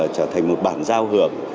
trở thành một bản giao hưởng